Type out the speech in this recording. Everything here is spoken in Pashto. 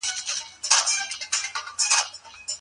ښځه او سړی په چټکو ګامونو له سترګو پناه شول.